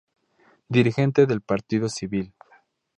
Dirigente del Partido Civil.